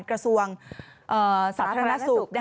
กระทรวงสาธารณสุข